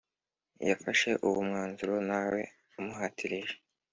yafashe uwo mwanzuro ntawe umuhatije